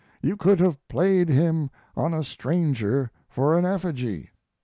You could have played him on a stranger for an effigy.